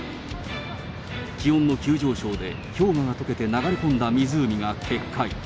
気温の急上昇で、氷河がとけて流れ込んだ湖が決壊。